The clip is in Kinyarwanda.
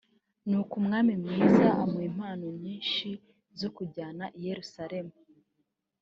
ni uko umwami mwiza amuha impano nyinshi zo kujyana i yerusalemu